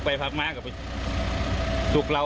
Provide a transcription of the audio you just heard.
พูดว่าคนอีกก็เห็นเม่าหรือเปล่า